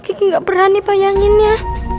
kiki gak berani bayanginnya